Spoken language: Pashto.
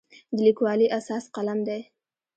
د لیکوالي اساس قلم دی.